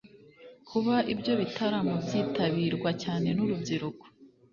Kuba ibyo bitaramo byitabirwa cyane n’urubyiruko